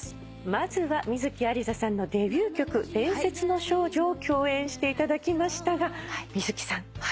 まずは観月ありささんのデビュー曲『伝説の少女』を共演していただきましたが観月さんいかがでしたか？